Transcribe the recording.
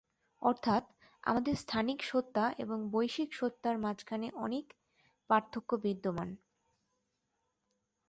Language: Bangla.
অর্থাৎ আমাদের স্থানিক সত্তা ও বৈশ্বিক সত্তার মাঝে অনেক পার্থক্য বিদ্যমান।